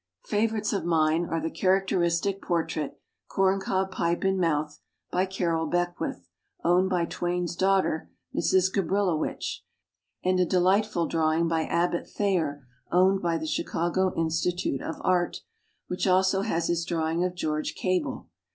Fa vorites of mine are the characteristic portrait — corncob pipe in mouth — ^by Carroll Beckwith, owned by Twain's daughter, Mrs. Gabrilowitch, and a de lightful drawing by Abbott Thayer owned by the Chicago Institute of Art, which also has his drawing of George Cable.